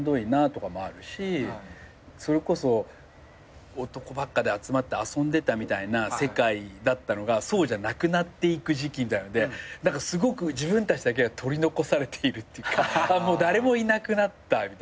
それこそ男ばっかで集まって遊んでたみたいな世界だったのがそうじゃなくなっていく時期みたいのですごく自分たちだけ取り残されているっていうか誰もいなくなったみたいな。